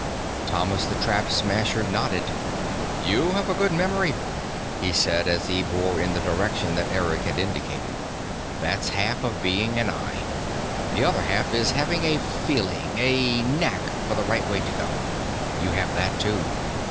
Thomas the Trap Smasher nodded. "You have a good memory," he said as he bore in the direction that Eric had indicated. "That's half of being an Eye. The other half is having a feeling, a knack, for the right way to go. You have that too.